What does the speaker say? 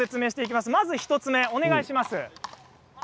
まず１つ目、お願いします。